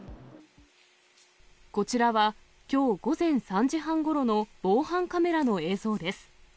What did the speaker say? こちらはきょう午前３時半ごろの防犯カメラの映像です。